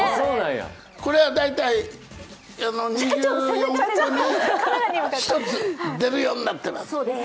これは大体２４個に１つ、出るようになっています。